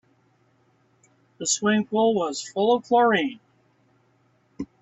The swimming pool was full of chlorine.